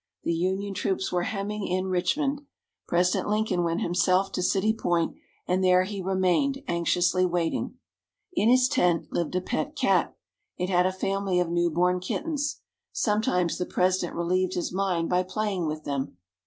The Union troops were hemming in Richmond. President Lincoln went himself to City Point, and there he remained, anxiously waiting. In his tent lived a pet cat. It had a family of new born kittens. Sometimes, the President relieved his mind by playing with them.